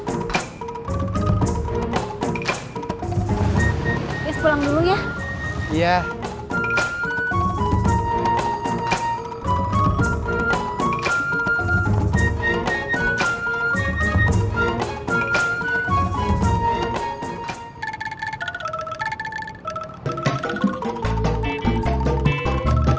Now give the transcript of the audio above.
iis pulang dulu ya